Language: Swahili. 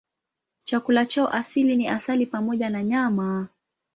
Chakula chao asili ni asali pamoja na nyama.